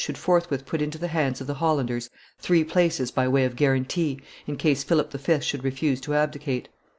should forthwith put into the hands of the Hollanders three places by way of guarantee, in case Philip V. should refuse to abdicate.